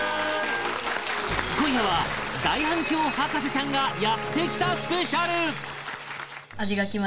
今夜は大反響博士ちゃんがやって来たスペシャル！